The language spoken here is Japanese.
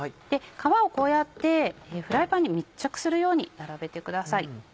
皮をこうやってフライパンに密着するように並べてください。